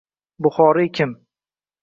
Buxoriy kim?